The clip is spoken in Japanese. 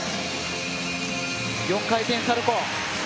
４回転サルコウ。